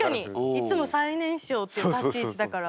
いつも最年少って立ち位置だから。